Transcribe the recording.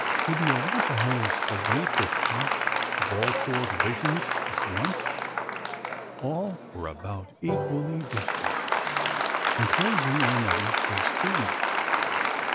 Would the Arapahoes await the shock of all four divisions at once? All were about equally distant, and closing in at equal speed.